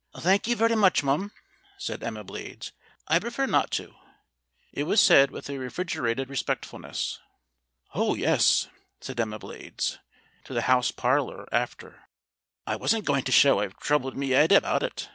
"Thank you very muchum," said Emma Blades. "I'd prefer not to." It was said with a refrigerated respectfulness. "Ho, yes," said Emma Blades to the house parlorer after, "I wasn't going to show I'd troubled my 'ead about it.